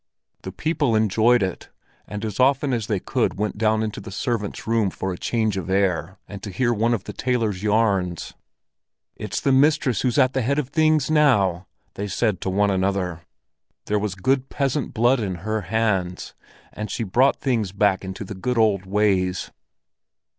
The people enjoyed it, and as often as they could went down into the servants' room for a change of air and to hear one of the tailor's yarns. "It's the mistress who's at the head of things now!" they said to one another. There was good peasant blood in her hands, and she brought things back into the good old ways.